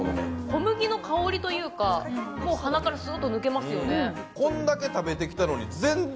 小麦の香りというか、それも鼻からスーッと抜けますよね。